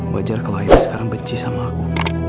wajar kalau itu sekarang benci sama aku